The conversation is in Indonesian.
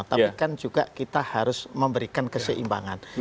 tapi kan juga kita harus memberikan keseimbangan